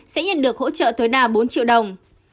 sẽ nhận được hỗ trợ tối đa bốn triệu đồng